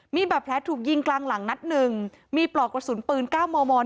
มีบาดแผลถูกยิงกลางหลังนัดหนึ่งมีปลอกกระสุนปืน๙มม